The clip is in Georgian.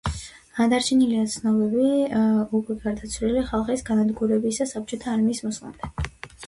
დარჩენილია ცნობები უკვე გარდაცვლილი ხალხის განადგურებისა საბჭოთა არმიის მოსვლამდე.